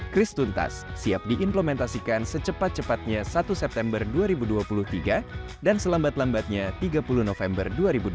kris tuntas siap diimplementasikan secepat cepatnya satu september dua ribu dua puluh tiga dan selambat lambatnya tiga puluh november dua ribu dua puluh